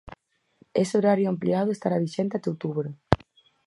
Ese horario ampliado estará vixente até outubro.